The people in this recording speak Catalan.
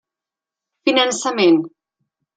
Finançament.